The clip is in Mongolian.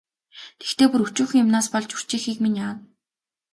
Тэгэхдээ бүр өчүүхэн юмнаас болж үрчийхийг минь яана.